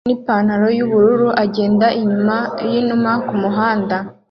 hamwe nipantaro yubururu agenda inyuma yinuma kumuhanda